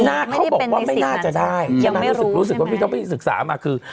เขาบอกว่าไม่น่าจะได้ยังไม่รู้รู้สึกว่าพี่เจ้าพี่ศึกษามาคือ